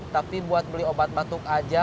tapi buat beli obat batuk aja